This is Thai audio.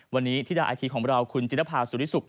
วันนี้ธิดาไอทีของเราคุณจิรภาสุริสุข